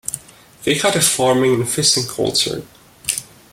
They had a farming and fishing culture.